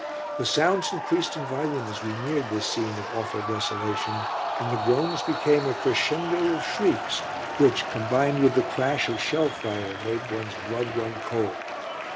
The sounds increased in volume as we neared this scene of awful desolation, and the groans became a crescendo of shrieks which, combined with the crash of shell fire, made one's blood run cold.